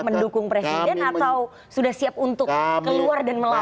mendukung presiden atau sudah siap untuk keluar dan melarang